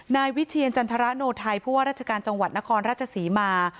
นายวิเชียรจันทรโนไทยผู้ว่าราชการจังหวัดนครราชศรีมา